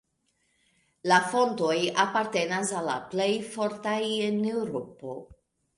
La fontoj apartenas al la plej fortaj en Eŭropo.